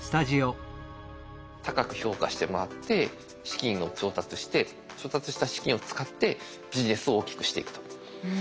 高く評価してもらって資金を調達して調達した資金を使ってビジネスを大きくしていくと。